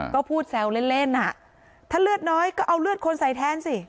ก็พูดแซวเล่นอ่ะถ้าเลือดน้อยก็เอาเลือดคนใส่แทนสิ